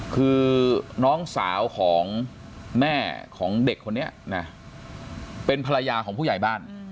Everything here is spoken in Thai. คือน้องสาวของแม่ของเด็กคนนี้นะเป็นภรรยาของผู้ใหญ่บ้าน